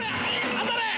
当たれ！